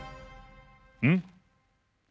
うん？